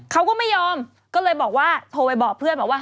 เขาก็ไม่ยอมก็เลยบอกว่าโทรไปบอกเพื่อนบอกว่า